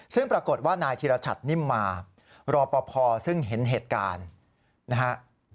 ซึ่งปรากฏว่านายธิรชัตนิ่มมารอปภซึ่งเห็นเหตุการณ์นะฮะ